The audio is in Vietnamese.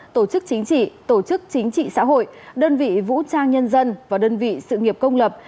tổ chức chính trị tổ chức chính trị xã hội đơn vị vũ trang nhân dân và đơn vị sự nghiệp công lập